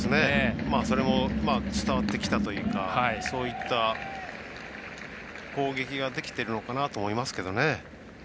それも伝わってきたというかそういった攻撃できてるのかなと思いますけどね。